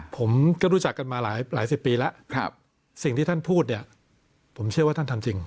ผมก็รู้จักกันมาหลายสิบปีแล้วสิ่งที่ท่านพูดเนี่ยผมเชื่อว่าท่านทำจริง